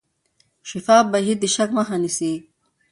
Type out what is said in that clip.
شفاف بهیر د شک مخه نیسي.